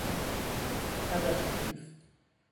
تب خفیف